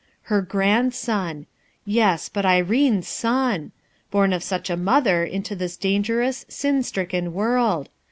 Her grandson! yes, but Irene's son ! born of such a mother into this danger ous, sin stricken world!